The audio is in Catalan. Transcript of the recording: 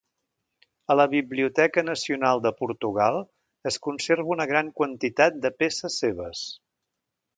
A la Biblioteca Nacional de Portugal es conserva una gran quantitat de peces seves.